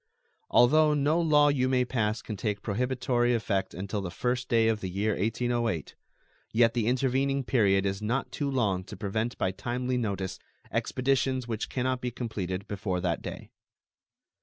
Although no law you may pass can take prohibitory effect until the first day of the year 1808, yet the intervening period is not too long to prevent by timely notice expeditions which can not be completed before that day.